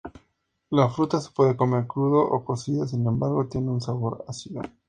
La fruta se puede comer crudo o cocida, sin embargo, tiene un sabor ácido.